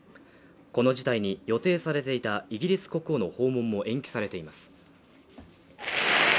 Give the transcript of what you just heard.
この事態に予定されていたイギリス国王の訪問も延期されています。